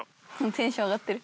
テンション上がってる。